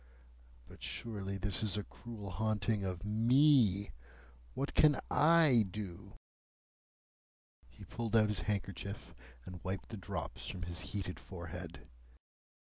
But surely this is a cruel haunting of me. What can I do?" He pulled out his handkerchief, and wiped the drops from his heated forehead.